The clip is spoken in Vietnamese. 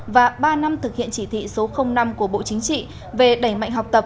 và ba năm thực hiện chỉ thị số năm của bộ chính trị về đẩy mạnh học tập